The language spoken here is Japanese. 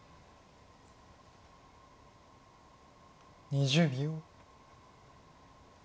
２０秒。